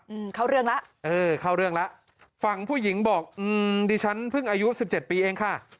อืมเข้าเรื่องแล้วเออเข้าเรื่องแล้วฝั่งผู้หญิงบอกอืมดิฉันเพิ่งอายุสิบเจ็ดปีเองค่ะ